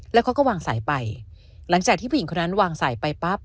แล้วเขาก็วางสายไปหลังจากที่ผู้หญิงคนนั้นวางสายไปปั๊บ